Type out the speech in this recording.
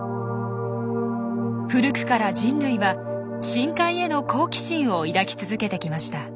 古くから人類は深海への好奇心を抱き続けてきました。